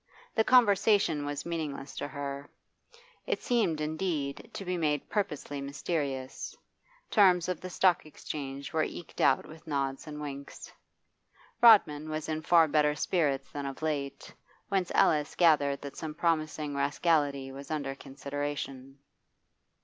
The conversation was meaningless to her; it seemed, indeed, to be made purposely mysterious; terms of the stock exchange were eked out with nods and winks. Rodman was in far better spirits than of late, whence Alice gathered that some promising rascality was under consideration.